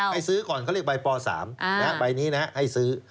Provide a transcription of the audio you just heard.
ให้ซื้อก่อนเขาเรียกใบป๓ใบนี้นะฮะให้ซื้อ